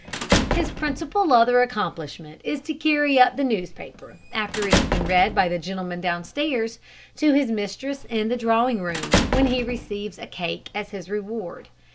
His principal other accomplishment is to carry up the newspaper, after it has been read by the gentleman downstairs, to his mistress in the drawing room, when he receives a cake as his reward.